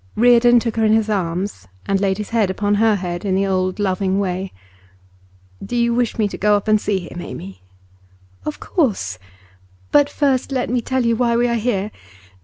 Reardon took her in his arms, and laid his hand upon her head in the old loving way. 'Do you wish me to go up and see him, Amy?' 'Of course. But first, let me tell you why we are here.